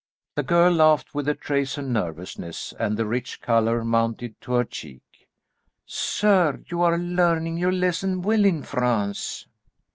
The girl laughed with a trace of nervousness, and the rich colour mounted to her cheek. "Sir, you are learning your lesson well in France."